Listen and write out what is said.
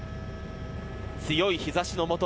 強い日差しのもと